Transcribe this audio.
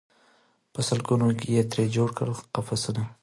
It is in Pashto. په سل ګونو یې ترې جوړ کړل قفسونه